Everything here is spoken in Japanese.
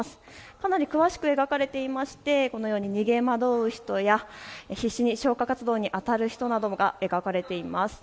かなり詳しく描かれていましてこのように逃げ惑う人や必死に消火活動にあたる人などが描かれています。